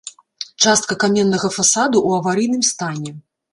Частка каменнага фасаду ў аварыйным стане.